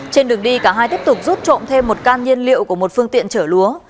trên đường đi cả hai tiếp tục rút trộm thêm một can nhiên liệu của một phương tiện chở lúa